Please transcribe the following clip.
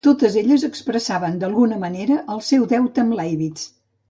Totes elles expressaven d'alguna manera el seu deute amb Leibniz.